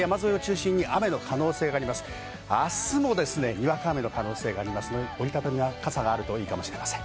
あす、にわか雨の可能性がありますので、折り畳み傘があるといいかもしれません。